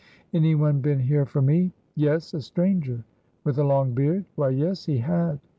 "Any one been here for me?" "Yes! a stranger." "With a long beard?" "Why, yes, he had."